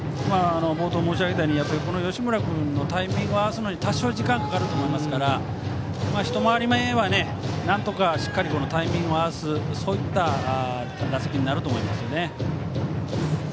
冒頭、申し上げたように吉村君もタイミングを合わせるのに多少、時間がかかると思いますから一回り目はなんとかしっかりタイミングを合わすそういった打席になると思います。